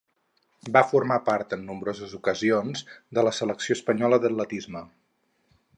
Va formar part, en nombroses ocasions, de la selecció espanyola d'atletisme.